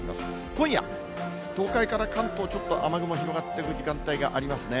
今夜、東海から関東、ちょっと雨雲広がっていく時間帯がありますね。